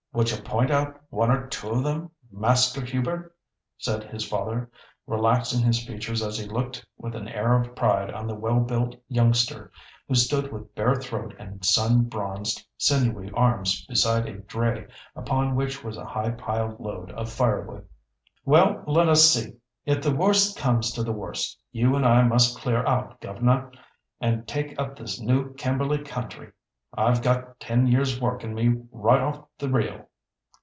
"Would you point out one or two of them, Master Hubert?" said his father, relaxing his features as he looked with an air of pride on the well built youngster, who stood with bare throat and sun bronzed, sinewy arms beside a dray upon which was a high piled load of firewood. "Well, let us see! if the worst comes to the worst, you and I must clear out, governor, and take up this new Kimberley country. I've got ten years' work in me right off the reel."